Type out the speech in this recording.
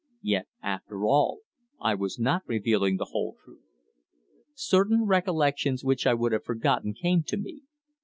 Yet, after all, I was not revealing the whole truth. Certain recollections which I would have forgotten came to me.